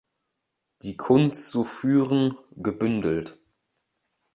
Die Kunst zu führen"“ gebündelt.